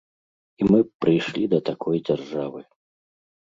І мы б прыйшлі да такой дзяржавы.